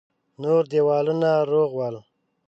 نور دېوالونه روغ ول.